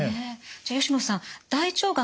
じゃ吉野さん